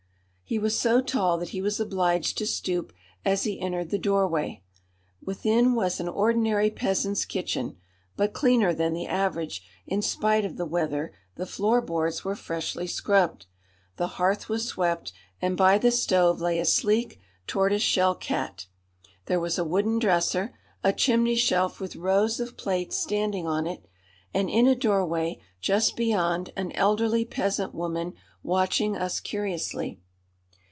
He was so tall that he was obliged to stoop as he entered the doorway. Within was an ordinary peasant's kitchen, but cleaner than the average. In spite of the weather the floor boards were freshly scrubbed. The hearth was swept, and by the stove lay a sleek tortoise shell cat. There was a wooden dresser, a chimney shelf with rows of plates standing on it, and in a doorway just beyond an elderly peasant woman watching us curiously.